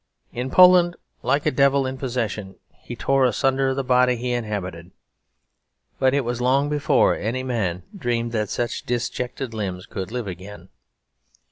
In Poland, like a devil in possession, he tore asunder the body he inhabited; but it was long before any man dreamed that such disjected limbs could live again.